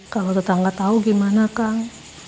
kalau tetangga tahu gimana kang